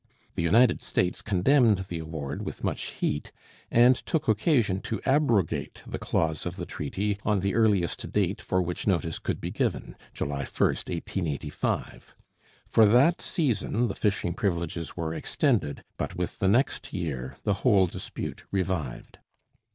The United States condemned the award with much heat, and took occasion to abrogate the clause of the treaty on the earliest date for which notice could be given, July 1, 1885. For that season the fishing privileges were extended, but with the next year the whole dispute revived.